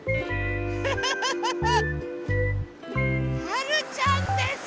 はるちゃんです！